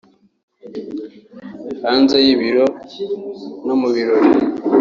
hanze y’ibiro no mu birori